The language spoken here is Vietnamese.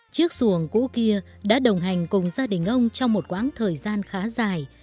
chiếc xuồng cũ kia đã đồng hành cùng gia đình ông trong một quãng thời gian khá dài